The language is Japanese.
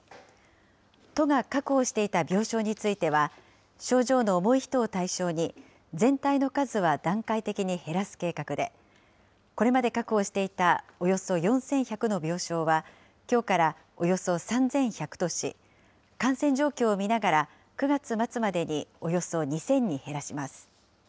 都が確保していた病床については症状の重い人を対象に全体の数は段階的に減らす計画で、これまで確保していたおよそ４１００の病床はきょうからおよそ３１００とし、感染状況を見ながら９月末までにおよそ２０００に減らします。